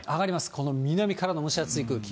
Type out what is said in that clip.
この南からの蒸し暑い空気。